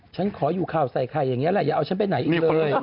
ฉันขออยู่ข่าวใส่ไข่อย่างนี้แหละอย่าเอาฉันไปไหนอีกเลย